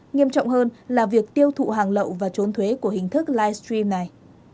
nghiêm trọng hơn là việc tiêu thụ hàng lậu và trốn thuế của hình thức livestream này